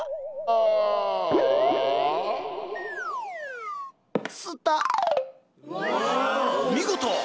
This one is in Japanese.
お見事！